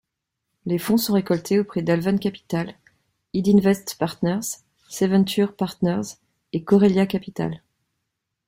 Les fonds sont récoltés auprès d'Alven Capital, Idinvest Partners, Seventure Partners et Korelya Capital.